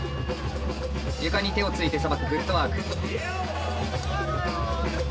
床に手をついてさばくフットワーク。